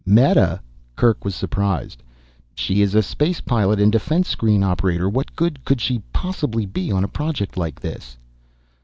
"Meta?" Kerk was surprised. "She is a space pilot and defense screen operator, what good could she possibly be on a project like this?"